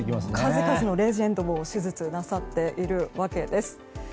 数々のレジェンドも手術なさっているわけです。